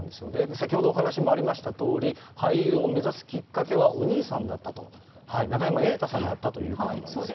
先ほどお話もありましたとおり、俳優を目指すきっかけはお兄さんだったと、永山瑛太さんだったということなんですよね。